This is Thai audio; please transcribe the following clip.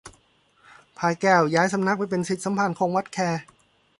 พลายแก้วย้ายสำนักไปเป็นศิษย์สมภารคง วัดแค